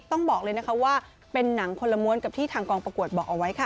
ต้องบอกเลยนะคะว่าเป็นหนังคนละม้วนกับที่ทางกองประกวดบอกเอาไว้ค่ะ